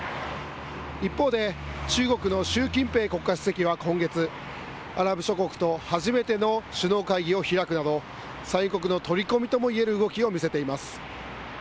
一方で、中国の習近平国家主席は今月、アラブ諸国と初めての首脳会議を開くなど、産油国の取り込みともいえる動きを見せています。